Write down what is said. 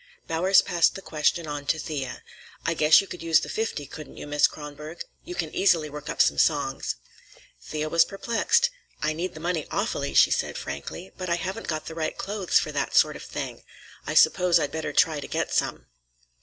Bowers passed the question on to Thea. "I guess you could use the fifty, couldn't you, Miss Kronborg? You can easily work up some songs." Thea was perplexed. "I need the money awfully," she said frankly; "but I haven't got the right clothes for that sort of thing. I suppose I'd better try to get some."